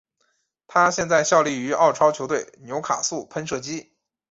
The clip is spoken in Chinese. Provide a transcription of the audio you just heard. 他现在效力于澳超球队纽卡素喷射机。